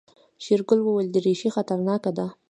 شېرګل وويل دريشي خطرناکه ده.